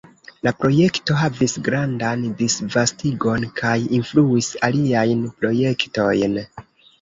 La projekto havis grandan disvastigon kaj influis aliajn projektojn.